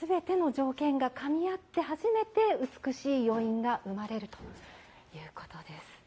全ての条件がかみ合って初めて美しい余韻が生まれるということです。